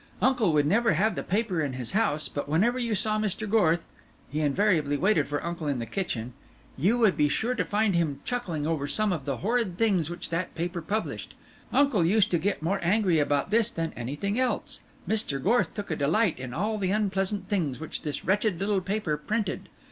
Uncle would never have the paper in his house, but whenever you saw Mr. Gorth he invariably waited for uncle in the kitchen you would be sure to find him chuckling over some of the horrid things which that paper published. Uncle used to get more angry about this than anything else, Mr. Gorth took a delight in all the unpleasant things which this wretched little paper printed.